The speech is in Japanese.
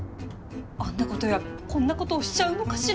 あんなことやこんなことをしちゃうのかしら？